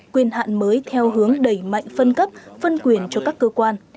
quyền hạn mới theo hướng đẩy mạnh phân cấp phân quyền cho các cơ quan